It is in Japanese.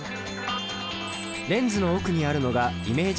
レンズの奥にあるのがイメージセンサ。